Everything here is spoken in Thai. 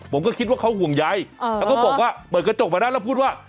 ผมก็คิดว่าเขาห่วงใยแล้วก็บอกว่าเปิดกระจกมาได้แล้วพูดว่า